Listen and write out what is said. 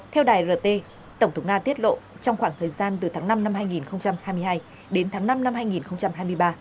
theo đài rt tổng thống nga tiết lộ trong khoảng thời gian từ tháng năm năm hai nghìn hai mươi hai đến tháng năm năm hai nghìn hai mươi ba